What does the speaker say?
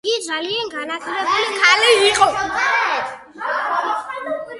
იგი ძალიან განათლებული ქალი იყო.